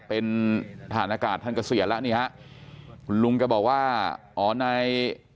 เป็นทหารอากาศท่านเกษียณแล้วนี่ฮะคุณลุงก็บอกว่าอ๋อใน